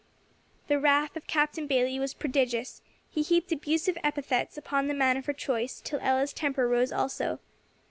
The wrath of Captain Bayley was prodigious; he heaped abusive epithets upon the man of her choice, till Ella's temper rose also.